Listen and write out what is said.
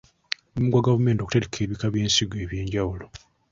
Mulimu gwa gavumenti okutereka ebika by'ensigo eby'enjawulo.